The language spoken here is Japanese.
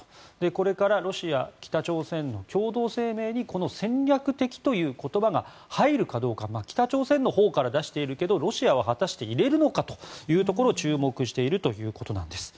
これからロシア、北朝鮮の共同声明にこの戦略的という言葉が入るかどうか北朝鮮のほうから出しているけどロシアは果たして入れるのかというところを注目しているということなんです。